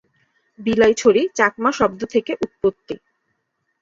বিলাইছড়ি চাকমা শব্দ থেকে উৎপত্তি।